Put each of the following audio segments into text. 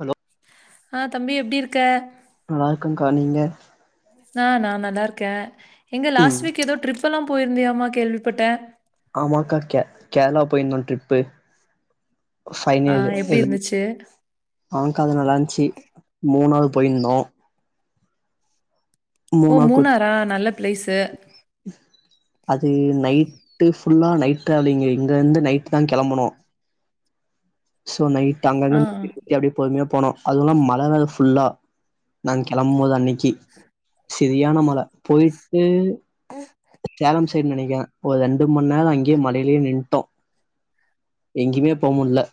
Hello அ தம்பி எப்டி இருக்க நல்லா இருக்கங்கா நீங்க அ நா நல்லாருக்க எங்க லாஸ்ட் வீக் ஏதோ ட்ரிப்பெல்லாம் போயிருந்தியாமா கேள்விப்பட்டேன். ஆமாக்க கே கேரளா போயிந்தோ ட்ரிப்பு ஆ ஃபைனலி எப்டி ல் ம் இருந்துச்சு? ஆங்க்கா அது நல்லாருச் சி மூணாவது போயிந்தோ ஓ கொ மூணாரா நல்ல பிளேஸ்ஸு அது நைட்டு ஃபுல்லா நைட் ட்ராவலிங்கு இங்க இந்து நைட்டு தா கெளம்பனோ சோ நைட்டு அங்கங்க ஆ நிருத்தி நிருத்தி அப்டியே பொறுமையா போனோ அதுவுல்லாம மழ வேற ஃபுல்லா நா கெளம்பும் போது அன்னைக்கு சரியான மழ போயிட்டு சேலம் சைடு நினைக்கே ஒரு ரெண்டு மண் நேரோ அங்கேயே மழைலியே நின்ட்டோ எங்கியுமே போமுல்ல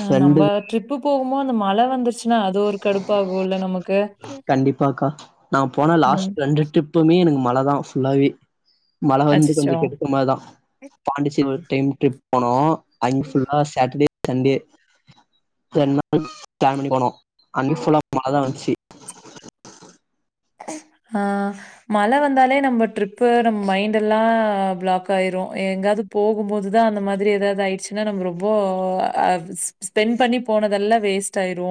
அ நம்ப ட்ரிப்பு போகமோ அந்த மழ வந்துருச்சின்னா அது ஒரு கடுப்பாகுல்ல நமக்கு கண்டிப்பாக்கா நா போன ம் லாஸ்ட் ரெண்டு ட்ரிப்புமே எனக்கு மழதா ஃபுல்லாவே மழ வந்து கொஞ்சோ அச்சச்சோ கெடுக்கும் அதுதா பாண்டிச்சேர் டைம் ட்ரிப் போனோ அங்க ஃபுல்லா சட்டர்டே சண்டே ரெண்டு நாள் பிளான் பண்ணி போணோ அங்கயு ஃபுல்லா மழ தா வந்துச்சி அ மழ வந்தாலே நம்ம ட்ரிப்பு நம் மைண்டெல்லா பிளாக் ஆயிர் து எங்காவது போகும்போதுதா அந்த மாதிரி ஏதாவது ஆயிடுச்சுன்னா நம்மக்கு ரொம்போ ஆ ஸ்பெண்ட் பண் ணி போனதெல்லா வேஸ்ட் ஆயிடூ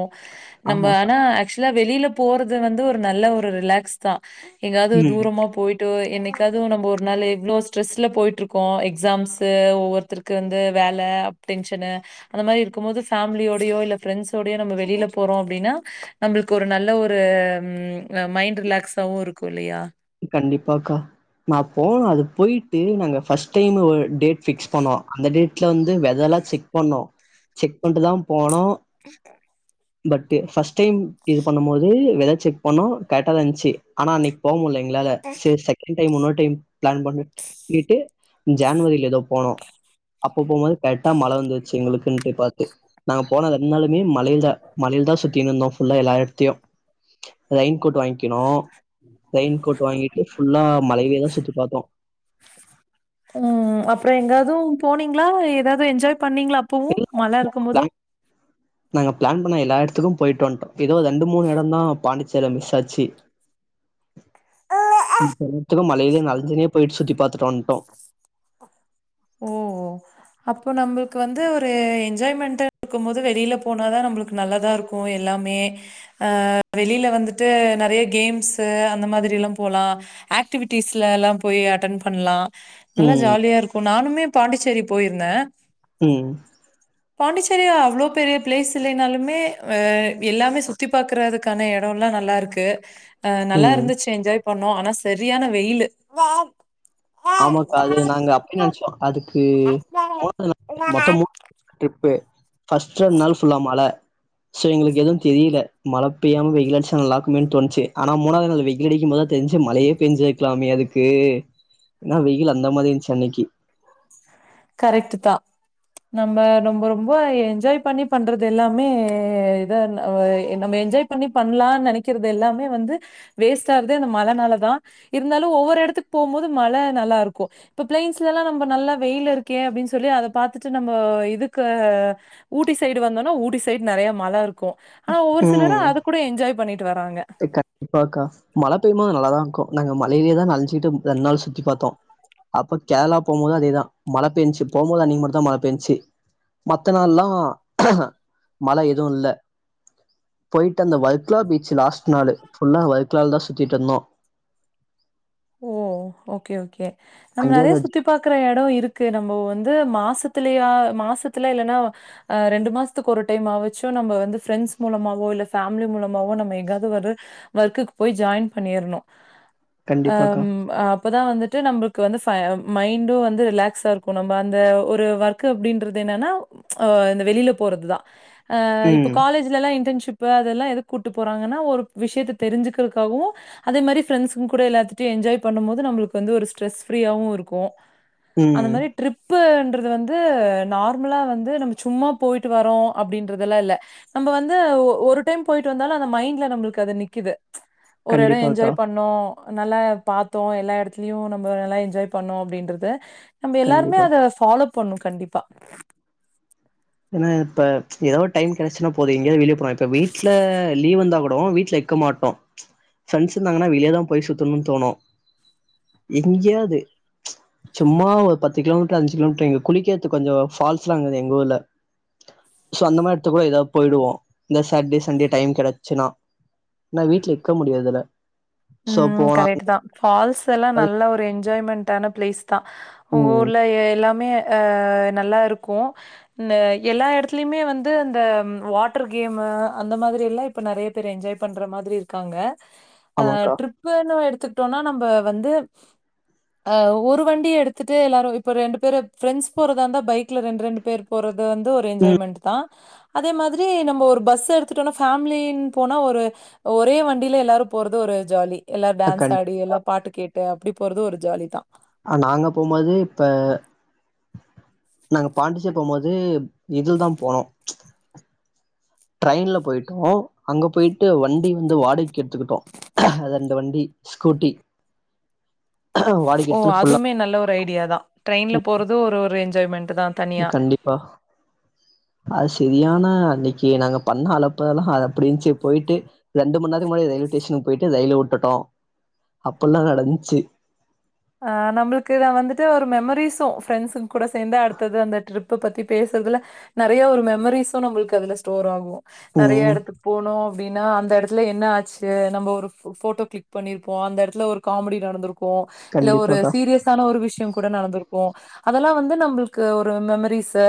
நம்ப ஆமாக்கா ஆனா ஆக்சுவலா வெளில போறது வந்து ஒரு நல்ல ஒரு ரிலாக்ஸ் தா எங்காவது ம் தூரமா போயிட்டோய் என்னைக்காவதுவும் நம்போ ஒரு நாளு இவ்ளோ ஸ்ட்ரெஸ்ல போயிட்ருக்கோ எக்ஸாம்ஸு ஒவ்வொருத்தருக்கு வந்து வேல அ அப்டின் சொன்ன அந்த மாரி இருக்கும் போது ஃபேமிலியோடியோ இல்ல ஃப்ரெண்ட்ஸோடையோ நம்ப வெளில போறோ அப்டின்னா நம்புள்க்கு ஒரு நல்ல ஒரு ம் அ மைண்ட் ரிலாக்ஸாவவும் இருக்கும் இல்லியா கண்டிப்பாக்கா நா போனோ அதுக் போயிட்டு நாங்க ஃபர்ஸ்ட் டைம்ல ஒரு டேட் ஃபிக்ஸ் பண்ணோ அந்த டேட்ல வந்து வெதர் லா செக் பண்ணோ செக் பண்ட்டு தா போனோ [unintelligible] பட்டு ஃபர்ஸ்ட் டைம் இது பண்ணும் போது வெதர் செக் பண்ணோ கரெக்ட்டா தா இந்ச்சு ஆனா அன்னைக் போ முல்ல ங்ளால சேரி சக்கெண்ட் டைம் உன்னொரு டைம் பிளான் பண்ணுட் ண்ணிட்டு ஜன்வரில ஏதோ போனோ அப்ப போம்போது கரெக்டா மழை வந்துருச்சு எங்குளுக்குன்ட்டு பாத்து நாங்க போன ரெண் நாளுமே மழையில மழ ல் தா சுத்தினுந்தோ ஃபுல்லா எல்லா எட்த்தையு ரெயின் கோட் வாங் கினு ரெயின் கோட் வாங்கிட்டு ஃபுல்லா மலைவேதா சுத்தி பாத்தோ ம் அப்புறோ எங்காதூ போனீங்ளா ஏதாது என்ஜாய் பண்ணீங்களா அப்பவும் மழை இருக்கும் போதூ பிளான் த்துக்கும் போயிட்டு வந்ட்டோ ஏதோ ரெண்டு மூணு எடோந் தா பாண்டிச்சேல மிஸ் ஆச்சு [inaudible] மழையிலே நல்சினே போயிட் சுத்தி பாத்துட்டு வந்ட்டோ ஓ ஓ அப்போ நம்மள்க்கு வந்து ஒரு என்ஜாய்மெண்டா இருக்கும் போது வெளியில போனாதா நம்புளுக்கு நல்லதா இருக்கூ எல்லா மே ஆ வெளில வந்துட்டு நறைய கேம்ஸு அந்த மாதிரில்லா போலா ஆக்டிவிட்டிஸ்லலா போய் அட்டன் பண்லா நல்லா ம் ஜாலியா இருக்கூ நானுமே பாண்டிச்சேரி போயிருந்த ம் பாண்டிச்சேரியா அவ்ளோ பெரிய பிளேஸ் இல்லைனாலுமே அ எல்லாமே சுத்தி பாக்குறதுக்கான எடோல்லா அ நல்லா இருக்கு அ நல்லா ம் இருந்துச்சு என்ஜாய் பண்ணோ ஆனா செரியான வெயிலு ஆமாக்கா அது நாங்க அப்பின் நென்ச்சோ அதுக்கு [unintelligible] ட்ரிப்பு ஃபர்ஸ்ட் ரெண்ட் நாள் ஃபுல்லா மழ சோ எங்களுக்கு எதுவும் தெரில மழை பெய்யாம வெயில் அடிச்சா நல்லாக்குமே தோண்ச்சு ஆனா மூனாவது நாள் வெகில் அடிக்கும் போ தா தெரிஞ்சு மழையே பெஞ்சுக்குலாமே அதுக்கு ஏன்னா வெயில் அந்த மாரி இருந்ச்சு அன்னைக்கி கரெக்ட்டு தா நம்ப ரொம்போ ரொம்போ என்ஜாய் பண்ணி பண்றது எல்லாமே இத ஆ இன்னம்மே என்ஜாய் பண்ணி பண்லான்னு நெனைக்கிறது எல்லாமே வந்து வேஸ்ட் ஆற்தே அந்த மழை னால தா இருந்தாலு ஒவ்வொரு இடத்துக் போம் போது மழை நல்லா இருக்கும் இப்ப பிளைன்ஸ்லல்லா நம்ப நல்லா வெயில் இருக் கே அப்புடின்னு சொல்லி அத பாத்துட்டு நம்ப இதுக்கு ஊட்டி சைடு வந்தோன்னா ஊட்டி சைடு நறையா மழை இருக் கூ ஆனா ஒவ்வொரு சிலரும் அது கூட என்ஜாய் பண்ணிட்டு வராங்க ட்டு கண்டிப்பாக்கா மழை பெய்யுது நல்லாதா இருக்கும் நாங்க மழையிலே தா நலஞ்சுட்டு ம் ரெண்ட் நாள் சுத்தி பாத்தோ அப்ப கேரளா போம் போதும் அதேதா மழை பெஞ்ச்சு போம்போது அன்னிக்கி மட்டூ தா மழ பெஞ்ச்சு மத்த நாள்ல்லா மழை எதுவு இல்ல போயிட்டு அந்த வல்ப்லா பீச் லாஸ்ட் நாலு ஃபுல்லா வல்க்கலால் தா சுத்திட்ருந்தோ ஓ ஓகே ஓகே நம்ம அங்கயே நறைய அந்த சுத்தி பாக்குற எடோ இருக்கு நம்போ வந் து மாசத்தலய மாசத்துல இல்லன்னா அ ரெண்டு மாசத்துக்கு ஒரு டைம் ஆவுச்சும் நம்ப வந்து ஃபிரெண் ஸ் மூலமாவோ இல்ல ஃபேமிலி மூலமாவோ நம்ம எங்காவது ஒரு வர்க்குக்கு போய் ஜாயின் பண்ணிற்ணூ அ கண்டிப்பாக்கா ம் அப்பதா வந்துட் த்து நம்மளுக்கு வந்து ஃப மைண்டு வந்து ரிலாக்ஸா இருக்கு நம்ம அந்த ஒரு ஒர்க் அப்படின்றது என்னன்னா அ இந்த வெளில போறதுதா அ இப்போ ம் காலேஜ்லல்லா இன்டர்ன்ஷிப் ப்பு அதெல்லா எதுக் கூட்டு போறாங்கன்னா ஒரு விஷயத்த தெரி்ஞ்சுக்கிறக்காகவு அதே மாரி ஃப்ரண்ட்ஸ்ங்க கூட எல்லாத் த்துட்டயு எஞ்ஜாய் பண்ணும் போது நம்மலுக்கு வந்து ஒரு ஸ்ட்ரஸ் ஃபிரீயாவு இருக்கு அந்த ம் மாரி ட்ரிப் இது வந்து நார்மலா வந்து நம்ம சும்மா போயிட்டு வரோ அப்படின்றதெல்லா இல்ல நம்ம வந்து ஒ ஒரு டைம் போயிட்டு வந்தாலு அந்த மைண்ட்ல நம்மளுக்கு அது நிக்குது ஒரு எடொ கண்டிப்பாக்கா என்ஜாய் பண்ணோ நல்லா பாத்தோ எல்லா எடத்துலயு நம்ம நல்லா எஞ்ஜாய் பண்ணோ அப்படின்றது நம்ம எல்லாருமே கண்டிப்பா அத ஃபாலோ பண்ணு கண்டிப்பா ஏனா இப்ப எதாவ் ஒரு டைம் கெடச்சுன்னா போது எங்கயாது வெளியே போலா இப்ப வீட்ல லீவ் வந்தா கூடோ வீட்ல இருக்க மாட்டோ ஃப்ரண்ட்ஸ் இருந்தாங்கன்னா வெளியேதா போய் சுத்தணுனு தோணு எங்கயாவது சும்மா ஒரு பத்து கிலோமீட்டர் அஞ்சு கிலோமீட்டர் எங்க குளிக்கறதுக்கு கொஞ்சொ ஃபால்ஸ்ல்லாங்குது எங்கூர்ல சோ அந்த மாரி எடத்து கூட எதா போயிடுவோ இந்த சாட்டர்டே சண்டே டைம் கெடச்சுன்னா நா வீட்ல இருக்க முடியாதுல ம் கரெக்ட்தா ஃபால்ஸ்ஸெல்லா நல்ல ஒரு என்ஜாய்மெண்டான பிளேஸ் தா ஒங்க ம் ஊர்ல எ எல்லாமே அ நல்லா இருக்கு ந்த எல்லா எடத்துலயுமே வந்து அந்த ம் வாட்டர் கேம் அ அந்த மாதிரில்லா இப்ப நெறைய பேர் என்ஜாய் பண்ற மாதிரி இருக்காங்க அ ஆமாக்கா ட்ரிப்புன்னு எடுத்துக்கிட்டோனா நம்ப வந்து ஆ ஒரு வண்டிய எடுத்துட்டு எல்லாரு இப்ப ரெண்டு பேரு ஃப்ரெண்ட்ஸ் போறதா இருந்தா பைக்ல ரண்டு ரண்டு பேர் போற து வந்து ஒரு ம் என்ஜாய்மெண்ட்தா அதே மாதிரி நம்ம ஒரு பஸ் எடுத்துட்டோன்னா ஃபேமிலின் போனா ஒரு ஒரே வண்டில எல்லாரு போறது ஒரு ஜாலி எல்லா அ டான்ஸ் கண்டி ஆடி எல்லா பாட்டு கேட்டு அப்டி போறது ஒரு ஜாலிதா அ நாங்க போம்போது இப்ப நாங்க பாண்டிச்சேரி போம்போது இதுலதா போனோ ட்ரெயின்ல போயிட்டோ அங்க போயிட்டு வண்டி வந்து வாடகைக்கு எடுத்துகிட்டோ அது அந்த வண்டி ஸ்கூட்டி வாடகைக்கு ஓ எடுத்துன்னு ஃபுல்லா அதுவுமே நல்ல ஒரு ஐடியாதா ட்ரெயின்ல போறது ஒரு ஒரு என்ஜாய்மெண்ட் தான் தனியா. கண்டிப்பா அது செரியான அன்னைக்கு நாங்க பண்ண அலப்பறலா அது அப்டி இருந்ச்சு போய்ட்டு ரெண்டு மண்ணேரத்துக்கு முன்னாடி ரெயில்வே ஸ்டேஷன்க்கு போயிட்டு ரயில உட்டுட் டோ அப்பல்லா நடந்ச்சு ஆ நம்மளுக்கு இதா வந்துட்டு ஒரு மெமரிஸும் ஃப்ரெண்ட்ஸுங்க கூட சேந்தா அடுத்தது அந்த ட்ரிப் ப்ப பத்தி பேசுறதுல நெறைய ஒரு மெமரிஸும் நம்மளுக்கு அதுல ஸ்டோர் ஆகு நெறைய ம் எடத்துக்கு போனோ அப்டின்னா அந் த எடத்துல என்ன ஆச்சு நம்ம ஒரு ஃபோ ஃபோட்டோ க்ளிக் பண்ணிருப்போ அந்த எடத்துல ஒரு காமெடி நடந்துருக்கு இல்ல ஒரு கண்டிப்பாக்கா சீரியஸான ஒரு விஷயொ கூட நடந்திருக்கு அதெல்லா வந்து நம்பளுக்கு ஒரு மெமரிஸு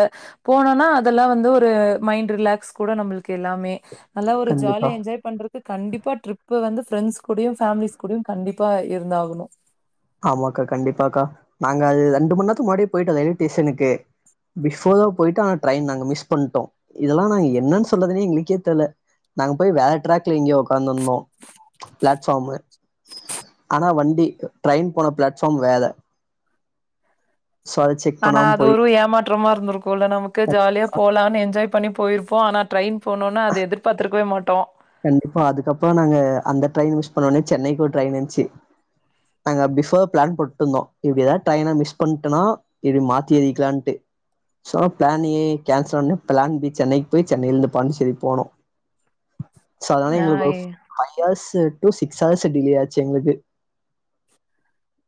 போனன்னா அதெல்லா வந்து ஒரு மைண்ட் ரிலாக்ஸ் கூட நம்ளுக் கு எல்லாமே நல்லா ஒரு கண்டிப்பா ஜாலியா எஞ்ஜாய் பண்றக்கு கண்டிப்பா ட்ரிப் வந்து ஃப்ரெண்ட்ஸ் கூடயு ஃபேமிலிஸ் கூடயு கண்டிப்பா இருந்தாகணு ஆமாக்கா கண்டிப்பாக்கா நாங்க அது ரெண்டு மண்நேரத்து முன்னாடியே போயிட்டோ ரெயில்வே ஸ்டேஷனுக்கு பிஃபோரா போயிட்டோ ஆனா ட்ரெயின் நாங்க மிஸ் பண்ட்டோ இதெல்லா நாங்க என்னன்னு சொல்றதுனே எங்கள்க்கே தெர்ல நாங்க போய் வேற டிராக்ல எங்கயோ ஒக்காந்துந்தோ பிளாட்ஃபார்மு ஆனா வண்டி ட்ரெயின் போன பிளாட்ஃபார்ம் வேத ஆனா அது போய் ஒரு ஏமாற்றமா இருந்திருக்குல்ல நமக்கு ஜாலியா போலானு எஞ்ஜாய் பண்ணி போயிருப்போ ஆனா ட்ரெயின் போனோன்ன அது எதிர்பார்த்துருக்கவே மாட்டோ கண்டிப்பா அதுக்கப்பறொ நாங்க அந்த ட்ரெயின் மிஸ் பண்ணோன்ன சென்னைக்கு ஒரு ட்ரெயின் இந்ச்சு நாங்க பிஃபோரா பிளான் போட்டிருந்தோ இப்டி எதாவது ட்ரெயின மிஸ் பண்ட்டோனா இப்டி மாத்தி ஏறிக்கலான்ட்டு சோ பிளான் ஏ கேன்சல் ஆனோனே பிளான் பி சென்னைக்கு போய் சென்னையிலெந்து பாண்டிச்சேரி போனோ சோ அதனால ஆ எங்களுக்கு ஒரு எ five hours to six hours delay ஆச்சு எங்களுக்கு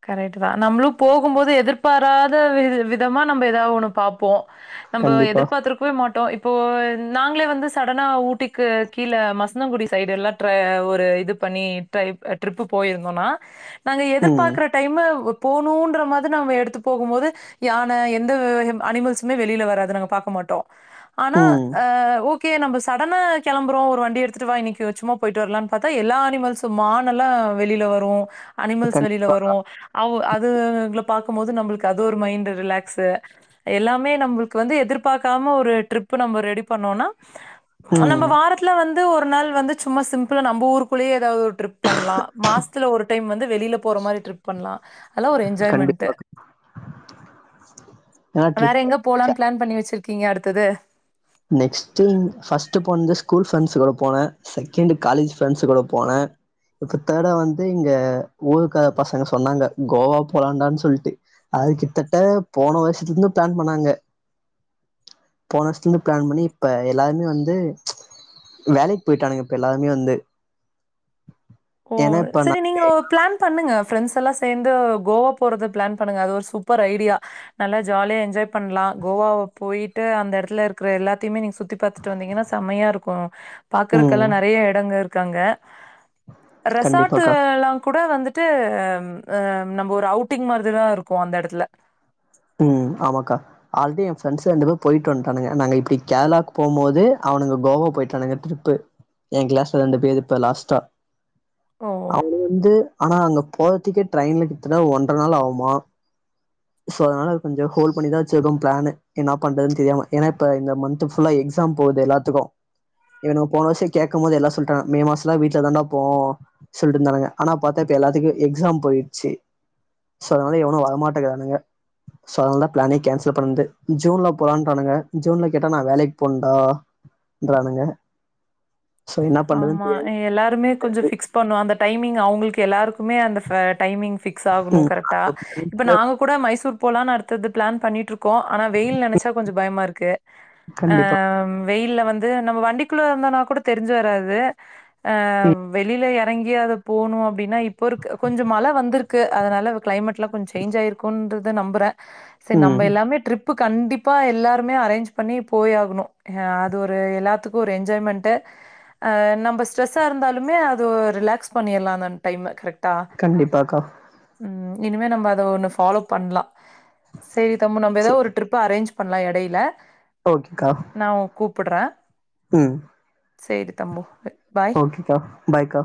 கரெக்ட்டு தா நம்மளு போகும் போது எதிர்பாராத வி விதமா நம்ப எதா ஒன்னு பாப்போ நம்ப கண்டிப்பா. எதிர்பாத்திருக்கவே மாட்டோ இப்போ என் நாங்களே வந்து சடனா ஊட்டிக்கு கீழ மசந்தங்குடி சைடெல்லா ட்ரா ஒரு இது பண்ணி ட்ரை ப் அ ட்ரிப்பு போயிருந்தோனா நாங்க ம். பாக்குற டைமு போணுன்ற மாதிரி நாம எடுத்து போகும் போது யான எந்த வும் அனிமல்ஸுமே வெளில வராது நாங்க பாக்க மாட்டோ ஆனா ம். அ ஓக் கே நம்ப சடனா கெளம்புறோ ஒரு வண்டி எடுத்துட்டு வா இன்னைக்கு சும்மா போயிட்டு வர்லான் பாத்தா எல்லா அனிமல்ஸும் மானல்லா ஆ வெளில வரு அனிமல்ஸ் கண் வெளில வரு அவ் அ து அதுகுள்ள பாக்கும்போது நம்பளுக்கு அது ஒரு மைண்டு ரிலாக்ஸு எல்லாமே நம்பளுக்கு வந்து எதிர்பாக்கா ம ஒரு ட்ரிப்பு நம்ப ரெடி பண்ணோனா ம். நம்ம வாரத்துல வந்து ஒரு நாள் வந்து சும்மா சிம்புளா நம்ப ஊருக்குள்ளே எதாவ்து ஒரு ட்ரிப் பண்லா மாஸ்த்துல ஒரு டைம் வந்து வெளிலப் போற மாரி ட்ரிப் பண்லா அதெல்லா ஒரு என்ஜாய்மெண்ட்டு கண்டிப்பா. ஏன்னா வேற ட்ரிப் எங்க போலானு பிளான் பண்ணி வச்சிருக்கீங்க அடுத்தது நெக்ஸ்ட்டு ஃபஸ்ட்டு போன்து ஸ்கூல் ஃப்ரெண்ட்ஸு கூட போனே செகெண்டு காலேஜ் ஃப்ரெண்ட்ஸு கூட போனே இப்ப தேர்டா வந்து இங்க ஊருக்கார பசங்க சொன்னாங்க கோவா போலான்டான் சொல்ட்டு அது கிட்தட்ட போன வர்ஷத்துலருந்து பிளான் பண்ணாங்க போன வர்ஷ் த்துலருந்து பிளான் பண்ணி இப்ப எல்லாருமே வந்து வேலைக்கு போயிட்டானுங்க இப்ப எல்லாருமே வந்து ஓ ஏன்னா இப்ப செரி நான் நீங்க ஓ பிளான் பண்ணுங்க ஃபிரெண்ட்ஸெல்லா சேந்து கோவா போறது பிளான் பண்ணுங்க அது ஒரு சூப்பர் ஐடியா நல்லா ஜாலியா என்ஜாய் பண்லா கோவாவ போயிட்டு அந்த எடத்துல இருக்குற எல்லாத்தைமே நீங்க சுத் த்தி பாத்துட்டு வந்தீங்கனா செமையா இருக்கு பாக்குறக்கெல்லா ம். நெறையா எடங்க இருக்கு அங்க ரெசார்ட்டு கண்டிப்பாக்கா. எல்லா கூட வந்து ட்டு அம் அம் நம்ப ஒரு அவுட்டிங் மாரிதிதா இருக்கு அந்த எடத்துல ம் ஆமாக்கா ஆல்ரெடி எ ஃப்ரெண்ட்ஸ் ரெண்டு பேரு போயிட்டு வந்டானுங்க நாங்க இப்டி கேர்ளாக்கு போம்போது அ அவனுங்க கோவா போயிட்டானுங்க ட்ரிப்பு எ கிளாஸ்ல ரெண்டு பேரு இப்ப லாஸ்ட்டா ஓ! அவனுங்க வந்து ஆனா அங்க போறதுக்கே ட்ரெயின்ல கிட்தட்ட ஒன்ர நாள் ஆவுமா சோ அதனால கொஞ்சொ ஹோல்ட் பண்ணிதா வச்சிருக்கோ பிளான்னு என்ன பண்றதுன் தெரியாம ஏனா இப்ப இந்த மந்த்து ஃபுல்லா எக்ஸாம் போய் ட்ருக்கு எல்லாத்துக்கு இவனுங்க போன வர்ஷ கேக்கும்போது என்ன சொல்ட்டாங்க மே மாசோலா வீட்ல தான்டா இர்போ சொல்ட்டு இருந்தானுங்க ஆனா பாத்தா இப்ப எல்லாத்துக்கு எக்ஸாம் போயிட்ச்சு சோ அதனால எவனு வரமாட்டேங்கிறானுங்க ஸோ அதனாலதா பிளானே கேன்சல் பண்ணது ஜூன்ல போலான்றானுங்க ஜூன்ல கேட்டா நா வேலைக்கு போனுன்டா ன்றானுங்க ஆமா எல்லாருமே கொஞ்சொ ஃபிக்ஸ் பண்ணுவோ அந்த டைமிங் அவ்ங்களுக்கு எல்லாருக்கு குமே அந்த ஃப டைமிங் ஃபிக்ஸ் ஆகனு ம் கரெக்டா இப்ப நாங்க கூட மைசூர் போலான் அடுத்தது பிளான் பண்ணிட்ருக்கோ ஆனா வெயில் நெனச்சா கொஞ்ச பயமா இருக்கு கண்டிப்பா ஆம் வெயில்ல வந்து நம்ம வண்டிக்குள்ள இருந்தோனா கூட தெரிஞ்ச வராது ஆ ம் வெளிலயா எங்கயாவ்து போணு அப்டினா இப்போ இருக் கொஞ்ச மழ வந்திருக்கு அதனால கிளைமேட் லா கொஞ்ச சேன்ஞ் ஆயிருக்குன்றத நம்புறே செரி நம்ப ம் எல்லாமே ட்ரிப்பு கண்டிப்பா எல்லாருமே அரேஞ்ச் பண்ணி போய் ஆகணு ஆ அது ஒரு எல்லாத்துக்கு ஒரு என்ஜாய்மெண்ட்டு அ நம்ப ஸ்ட்ரெஸ்ஸா இருந்தாலுமே அதுவு ரிலாக்ஸ் பண்ணிற்லா அந்தந் டைம்மு கரெக்ட் கண்டிப்பாக்கா இனிமே நம்ப அத ஒன்னு ஃபாலோ பண்லா செரி தம்பு நம்ப சரி எதாவொரு ட்ரிப்பு அரேஞ்ச் பண்லா எடையில ஓகேக்கா ப்பிடறே ம் பாய் ஓகேக்கா பாய்கா